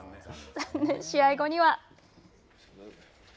試合後には。